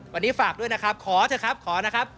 วันนี้ฝากด้วยนะครับขอเถอะครับขอนะครับ